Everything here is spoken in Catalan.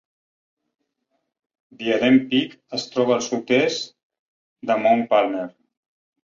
Diadem Peak es troba al sud-est de Mount Palmer.